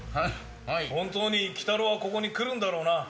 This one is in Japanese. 本当に鬼太郎はここに来るんだろうな？